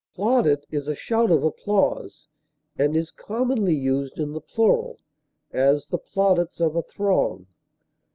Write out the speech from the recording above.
Plaudit is a shout of applause, and is commonly used in the plural; as, the plaudits of a throng.